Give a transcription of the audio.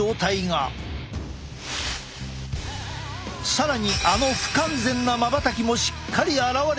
更にあの不完全なまばたきもしっかり現れていたのだ。